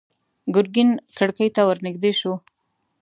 ګرګين کړکۍ ته ور نږدې شو.